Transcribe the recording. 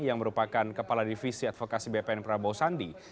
yang merupakan kepala divisi advokasi bpn prabowo sandi